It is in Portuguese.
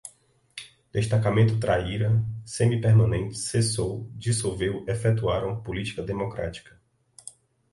Destacamento Traíra, semi-permanentes, cessou, dissolveu, efetuaram, política-democrática